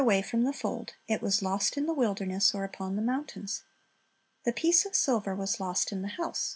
The sheep wandered away from the fold; it was lost in the wilderness or upon the mountains. The piece of silver was lost in the house.